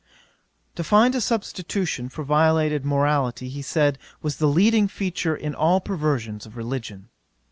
'To find a substitution for violated morality, he said, was the leading feature in all perversions of religion.'